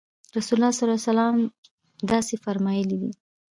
رسول اکرم صلی الله علیه وسلم داسې فرمایلي دي.